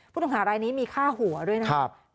ผู้ต้องหารายนี้มีค่าหัวด้วยนะครับ